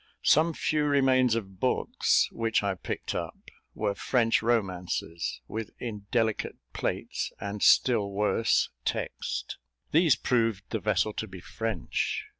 Some few remains of books, which I picked up, were French romances, with indelicate plates, and still worse text. These proved the vessel to be French.